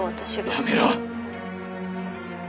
やめろ！